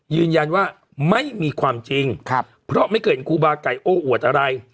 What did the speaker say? ยืนยันว่าไม่มีความจริงเพราะไม่เคยเห็นครูบาไก่โอ้อวดอะไร